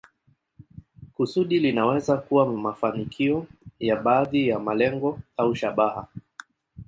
Kusudi linaweza kuwa mafanikio ya baadhi ya malengo au shabaha.